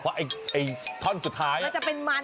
เพราะไอ้ท่อนสุดท้ายมันจะเป็นมัน